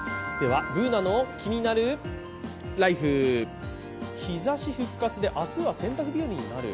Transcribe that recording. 「ＢｏｏｎａのキニナルＬＩＦＥ」日ざし復活で明日は洗濯日和になる。